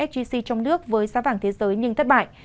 sgc trong nước với giá vàng thế giới nhưng thất bại